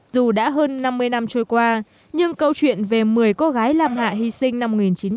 dù đã hơn năm mươi năm trôi qua nhưng câu chuyện về một mươi cô gái lam hạ hy sinh năm một nghìn chín trăm bảy mươi